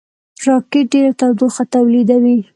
راکټ ډېره تودوخه تولیدوي